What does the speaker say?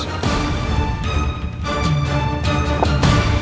kenapa kalian mengikuti ku terus